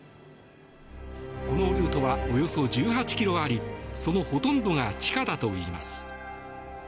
このルートはおよそ１８ｋｍありそのほとんどが地下だといいます。